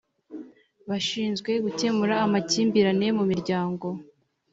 bashinzwe gukemura makimbirane mumiryango